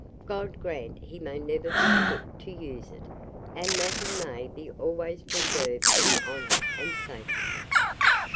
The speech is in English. God grant he may never be put to use it! and that he may be always preserved in honour and safety!